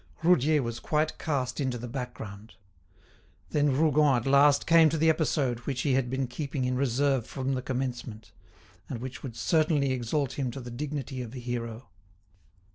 Roudier was quite cast in to the background. Then Rougon at last came to the episode which he had been keeping in reserve from the commencement, and which would certainly exalt him to the dignity of a hero.